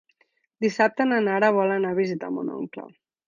Dissabte na Nara vol anar a visitar mon oncle.